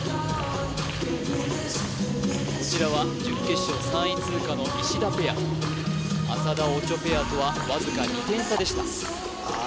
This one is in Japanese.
こちらは準決勝３位通過の石田ペア浅田・オチョペアとはわずか２点差でしたああ